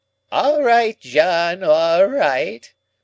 "All right, John, all right!"